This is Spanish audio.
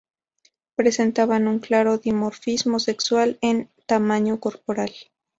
Presentaban un claro dimorfismo sexual en tamaño corporal.